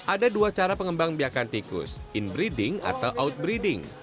ada dua cara pengembang biakan tikus inbreeding atau outbreeding